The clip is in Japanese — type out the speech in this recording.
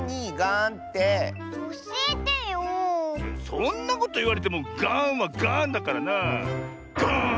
そんなこといわれてもガーンはガーンだからなあ。ガーン！